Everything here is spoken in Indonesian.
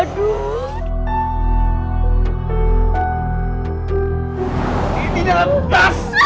di dalam tas